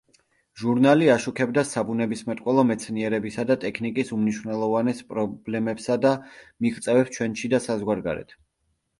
ჟურნალი აშუქებდა საბუნებისმეტყველო მეცნიერებისა და ტექნიკის უმნიშვნელოვანეს პრობლემებსა და მიღწევებს ჩვენში და საზღვარგარეთ.